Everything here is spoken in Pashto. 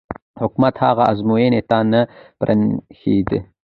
حکومت هغه ازموینې ته نه پرېښود.